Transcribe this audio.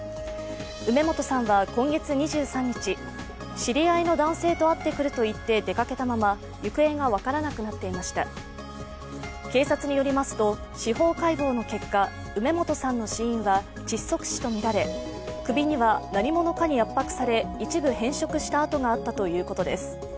梅本さんは今月２３日、知り合いの男性と会ってくるといって出かけたまま行方が分からなくなっていました警察によりますと、司法解剖の結果梅本さんの死因は窒息死とみられ、首には何者かに圧迫され一部変色した跡があったということです